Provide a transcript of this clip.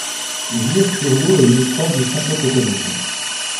Vire-sur-Lot est limitrophe de cinq autres communes.